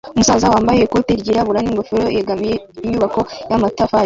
Umusaza wambaye ikote ryirabura n'ingofero yegamiye inyubako y'amatafari